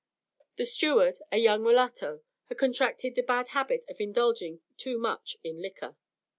The steward, a young mulatto, had contracted the bad habit of indulging too much in liquor.